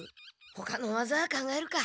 ほかのわざ考えるか。